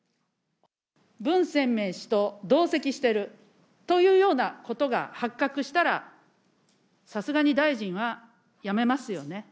文鮮明氏と同席してるというようなことが発覚したら、さすがに大臣は辞めますよね？